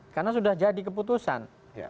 karena sudah jadi keputusan